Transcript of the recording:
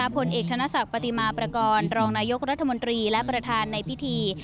ผลเอกธนศักดิ์ปฏิมาประกอบรองนายกรัฐมนตรีและประธานในพิธี